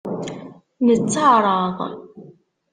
Netteɛṛaḍ.